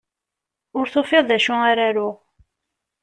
Ur tufiḍ d acu ara aruɣ.